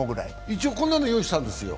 一応、こんなの用意したんですよ。